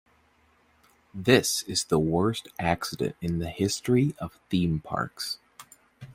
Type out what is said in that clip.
This is the worst accident in the history of theme parks.